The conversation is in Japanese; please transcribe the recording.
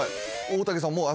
大竹さん